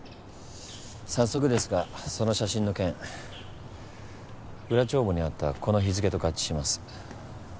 早速ですがその写真の件裏帳簿にあったこの日付と合致します。